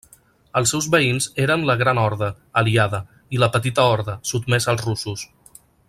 Els seus veïns eren la Gran Horda, aliada, i la Petita Horda, sotmesa als russos.